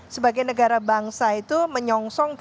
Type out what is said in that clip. sebagai negara bangsa itu menyongsong dua ribu empat puluh lima